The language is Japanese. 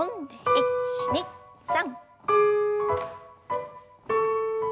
１２３。